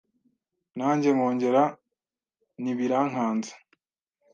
Nanjye nkongera ntibirankanze